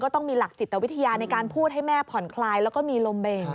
ต้องมีหลักจิตวิทยาในการพูดให้แม่ผ่อนคลายแล้วก็มีลมเบน